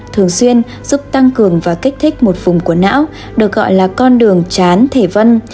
thường xuyên giúp tăng cường và kích thích một vùng của não được gọi là con đường chán thể văn